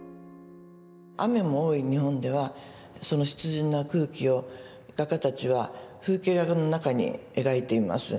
雨も多い日本ではその湿潤な空気を画家たちは風景画の中に描いています。